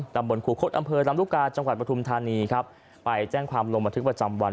ตำบลครูคดอำเภอลำลูกกาจังหวัดปฐุมธานีครับไปแจ้งความลงบันทึกประจำวัน